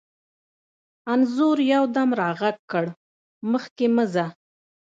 انځور یو دم را غږ کړ: مخکې مه ځه.